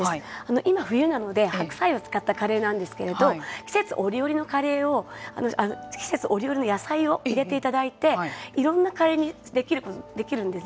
今、冬なので白菜を使ったカレーなんですけれども季節折々のカレーを季節折々野菜を入れていただいていろんなカレーにできるんですね。